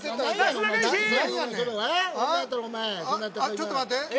◆ちょっと待って。